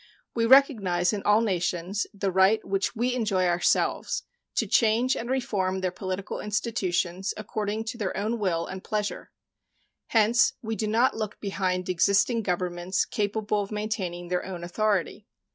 We recognize in all nations the right which we enjoy ourselves, to change and reform their political institutions according to their own will and pleasure. Hence we do not look behind existing governments capable of maintaining their own authority.